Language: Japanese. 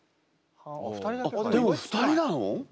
あっでも２人なの？